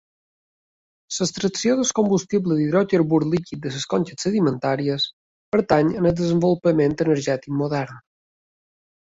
L'extracció del combustible d'hidrocarbur líquid de les conques sedimentàries pertany al desenvolupament energètic modern.